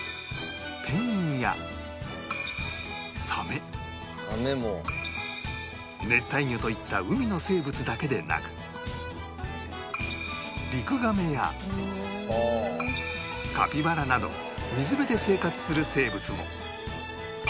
ペンギンやサメ熱帯魚といった海の生物だけでなくリクガメやカピバラなど水辺で生活する生物も